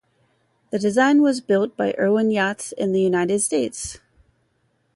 The design was built by Irwin Yachts in the United States.